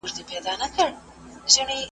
¬ غر که لوړ دئ، لار پر د پاسه ده.